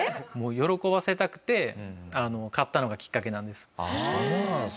喜ばせたくて買ったのがきっかけなんです。